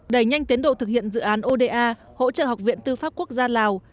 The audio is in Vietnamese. đẩy nhanh tiến độ thực hiện dự án oda hỗ trợ học viện tư pháp quốc gia lào